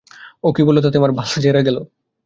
ও কি বলল তাতে আমার বাল ছেড়া গেল!